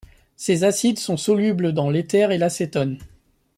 Ces acides sont solubles dans l'éther et l'acétone.